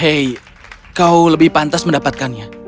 hei kau lebih pantas mendapatkannya